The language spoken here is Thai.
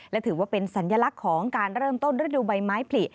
และถือว่าเป็นสัญลักษณ์ของการเริ่มต้นฤดูใบไม้ผลิ